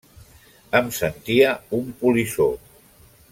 Em sentia un polissó.